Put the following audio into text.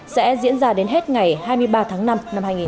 sẽ diễn ra đến hết ngày hai mươi ba tháng năm năm hai nghìn hai mươi bốn